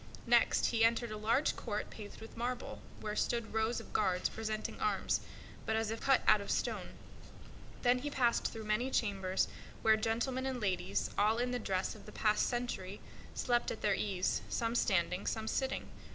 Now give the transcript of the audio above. Next he entered a large court paved with marble, where stood rows of guards presenting arms, but as still as if cut out of stone; then he passed through many chambers where gentlemen and ladies, all in the dress of the past century, slept at their ease, some standing, some sitting.